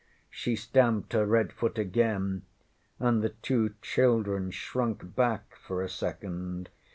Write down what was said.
ŌĆÖ She stamped her red foot again, and the two children shrunk back for a second.